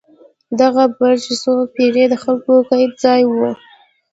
دغه برج څو پېړۍ د خلکو د قید ځای و.